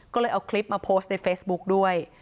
ก็เลยเอาคลิปมาโพสต์ในเฟซบุ๊กด้วย